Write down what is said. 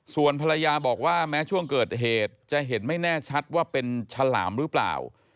ส่วนภรรยาบอกว่าแม้ช่วงเกิดเหตุจะเห็นไม่แน่ชัดว่าเป็นฉลามหรือเปล่า